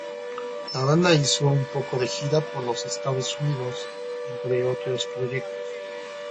La banda hizo un poco de gira por los Estados Unidos entre otros proyectos.